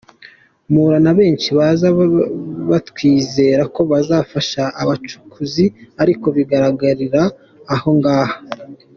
Mpura na benshi baza batwizeza ko bazafasha abacukuzi ariko bikarangirira aho ngaha.